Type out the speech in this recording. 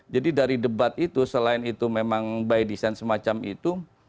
dari debat itu selain itu memang by design semacam itu